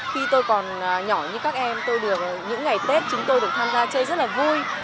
khi tôi còn nhỏ như các em những ngày tết chúng tôi được tham gia chơi rất là vui